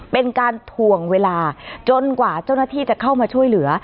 เป็นการถ่วงเวลาจนกว่าเจ้าหน้าที่จะเข้ามาช่วยเหลือ